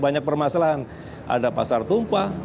banyak permasalahan ada pasar tumpah